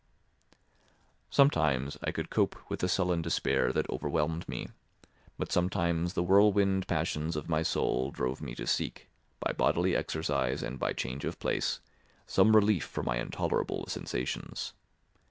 Sometimes I could cope with the sullen despair that overwhelmed me, but sometimes the whirlwind passions of my soul drove me to seek, by bodily exercise and by change of place, some relief from my intolerable sensations.